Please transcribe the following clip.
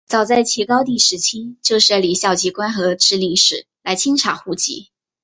早在齐高帝时期就设立校籍官和置令史来清查户籍。